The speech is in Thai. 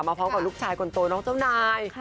พร้อมกับลูกชายคนโตน้องเจ้านาย